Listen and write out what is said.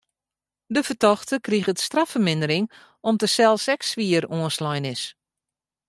De fertochte kriget straffermindering om't er sels ek swier oanslein is.